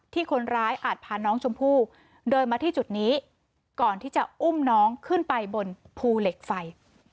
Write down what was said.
คนร้ายอาจพาน้องชมพู่เดินมาที่จุดนี้ก่อนที่จะอุ้มน้องขึ้นไปบนภูเหล็กไฟ